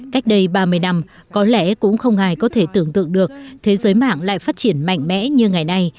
cách đây ba mươi năm có lẽ cũng không ai có thể tưởng tượng được thế giới mạng lại phát triển mạnh mẽ như ngày nay